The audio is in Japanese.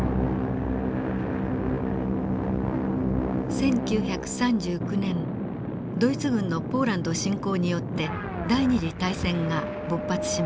１９３９年ドイツ軍のポーランド侵攻によって第二次大戦が勃発しました。